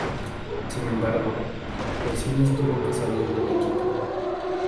Sin embargo, lesiones tuvo que salir del equipo.